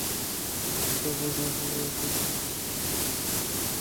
তোমাকে বোঝা খুবই সোজা, অ্যালান।